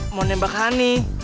mau nembak ani